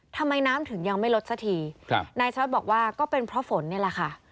ทำไมน้ำถึงยังไม่ลดสักทีครับนายชวัดบอกว่าก็เป็นเพราะฝนนี่แหละค่ะ